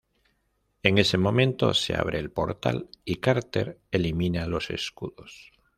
En ese momento se abre el portal y Carter elimina los escudos.